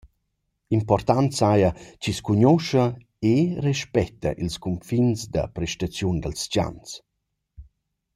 Important saja chi’s cugnuoscha e respetta ils cunfins da prestaziun dals chans.